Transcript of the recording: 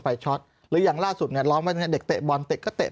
ช็อตหรืออย่างล่าสุดเนี่ยร้องไว้เนี่ยเด็กเตะบอลเตะก็เตะ